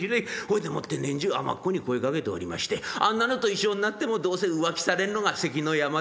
ほいでもって年中尼っ子に声かけておりましてあんなのと一緒になってもどうせ浮気されるのが関の山でごぜえます。